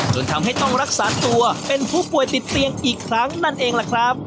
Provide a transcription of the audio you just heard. จนทำให้ต้องรักษาตัวเป็นผู้ป่วยติดเตียงอีกครั้งนั่นเองล่ะครับ